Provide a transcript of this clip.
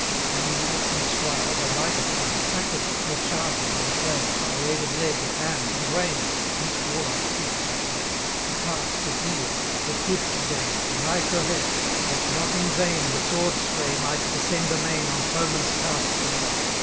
Young knights and squires, a lighter train, Practised their chargers on the plain, By aid of leg, of hand, and rein, 30 Each warlike feat to show, To pass, to wheel, the croupe to gain, And high curvett, that not in vain The sword sway might descend amain On foeman's casque below.